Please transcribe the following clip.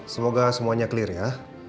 semoga semuanya clear ya